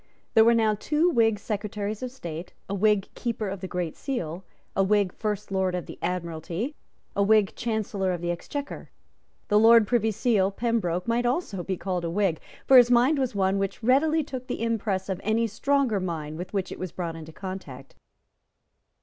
There were now two Whig Secretaries of State, a Whig Keeper of the Great Seal, a Whig First Lord of the Admiralty, a Whig Chancellor of the Exchequer. The Lord Privy Seal, Pembroke, might also be called a Whig; for his mind was one which readily took the impress of any stronger mind with which it was brought into contact.